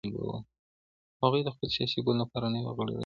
هغوی د خپل سياسي ګوند لپاره نوي غړي راجلبول.